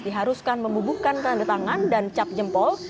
diharuskan membubuhkan tanda tangan dan cap jempol